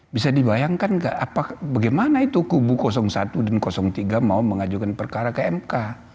bisa dibayangkan bagaimana itu kubu satu dan tiga mau mengajukan perkara ke mk